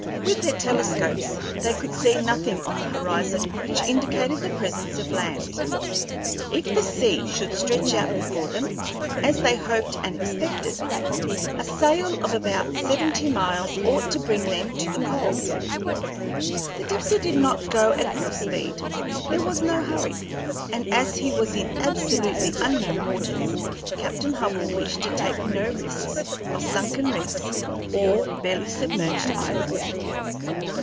With their telescopes they could see nothing on the horizon which indicated the presence of land. If the sea should stretch out before them, as they hoped and expected, a sail of about seventy miles ought to bring them to the pole. The Dipsey did not go at full speed; there was no hurry, and as he was in absolutely unknown waters, Captain Hubbell wished to take no risks of sunken reefs or barely submerged islands.